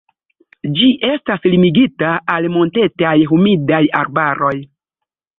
Ĝi estas limigita al montetaj humidaj arbaroj.